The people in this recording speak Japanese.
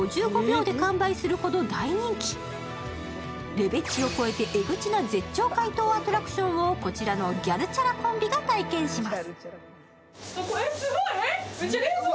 レベチを超えてエグチな絶頂解凍アトラクションをこちらのギャルチャラコンビが体験します。